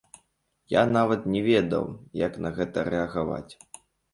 Я нават не ведаў, як на гэта рэагаваць.